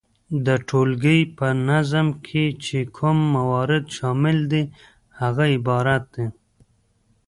د ټولګي په نظم کي چي کوم موارد شامل دي هغه عبارت دي،